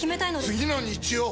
次の日曜！